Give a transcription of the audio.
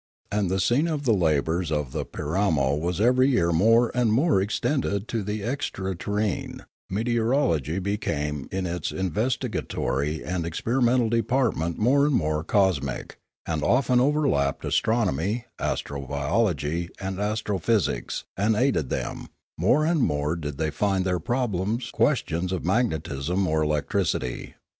And the scene of the labours of the Piramo was every year more and more extended to the extra terrene; meteorology became in its investigatory and experimental department more and more cosmic, and often overlapped astronomy, astrobiology, and astro physics, and aided them ; more and more did they find Discoveries 321 their problems questions of magnetism or electricity.